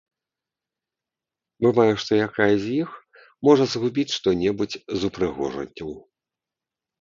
Бывае, што якая з іх можа згубіць што-небудзь з упрыгожанняў.